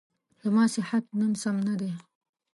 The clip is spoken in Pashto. زما صحت نن سم نه دی.